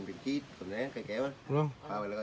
น้ำปลาบึกกับซ่าหมกปลาร่า